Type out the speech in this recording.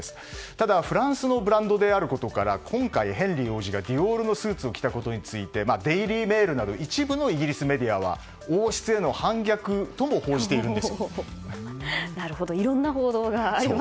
ただ、フランスのブランドであることから今回、ヘンリー王子がディオールの服を着たことについてはデイリー・メールなど一部のイギリスメディアは王室への反逆とも報じているんです。